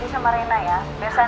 din mama ambil minyak minyak dulu ya